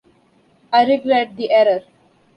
I regret the error.